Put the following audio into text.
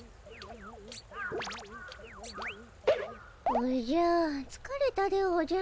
おじゃつかれたでおじゃる。